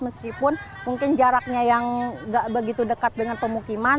meskipun mungkin jaraknya yang gak begitu dekat dengan pemukiman